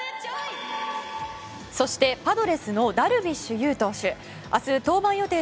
そしてパドレスのダルビッシュ有投手。